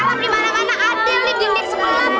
lo alam dimana mana adil nih di nek sekolah